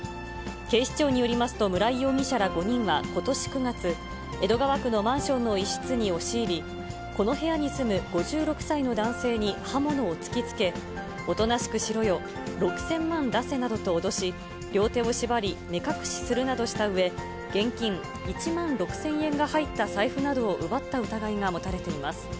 警視庁によりますと、村井容疑者ら５人はことし９月、江戸川区のマンションの一室に押し入り、この部屋に住む５６歳の男性に刃物を突きつけ、おとなしくしろよ、６０００万出せなどと脅し、両手を縛り、目隠しするなどしたうえ、現金１万６０００円が入った財布などを奪った疑いが持たれています。